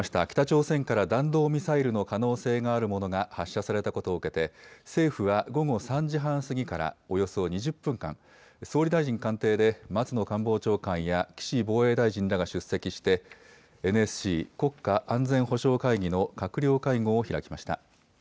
北朝鮮から弾道ミサイルの可能性があるものが発射されたことを受けて政府は午後３時半過ぎからおよそ２０分間、総理大臣官邸で松野官房長官や岸防衛大臣らが出席してＮＳＣ・国家安全保障会議の閣僚会合を開きました。